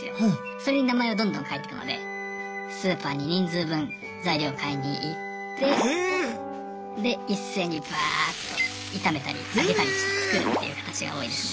それに名前をどんどん書いてくのでスーパーに人数分材料を買いに行ってで一斉にバーッと炒めたり揚げたりして作るっていう形が多いですね。